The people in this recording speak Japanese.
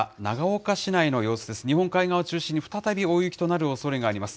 長岡市内の日本海側を中心に再び大雪となるおそれがあります。